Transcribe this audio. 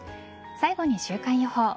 最後に週間予報。